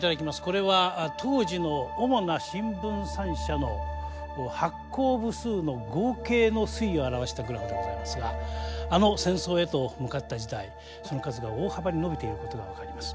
これは当時の主な新聞三社の発行部数の合計の推移を表したグラフでございますがあの戦争へと向かった時代その数が大幅に伸びていることが分かります。